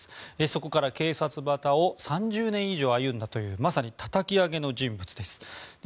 そこから警察畑を３０年以上歩んだというまさにたたき上げの人物です。